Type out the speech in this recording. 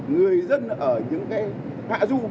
người dân ở những cái hạ du